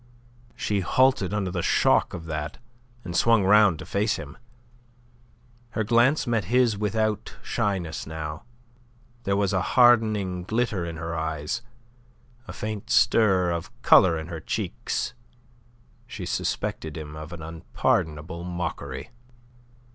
She halted under the shock of that, and swung round to face him. Her glance met his own without shyness now; there was a hardening glitter in her eyes, a faint stir of colour in her cheeks. She suspected him of an unpardonable mockery.